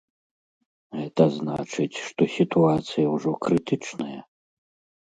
Гэта значыць, што сітуацыя ўжо крытычная?